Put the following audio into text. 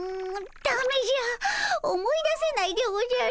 だめじゃ思い出せないでおじゃる。